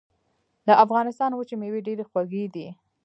د افغانستان وچې مېوې ډېرې خوږې دي.